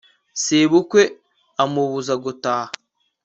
sebukwe amubuza gutaha